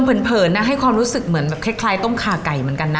คือดมเผินนะให้ความรู้สึกเหมือนแค่ต้มคาไก่เหมือนกันนะ